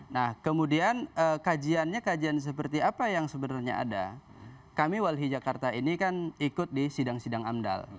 nah kemudian kajiannya kajian seperti apa yang sebenarnya ada kami walhi jakarta ini kan ikut di sidang sidang amdal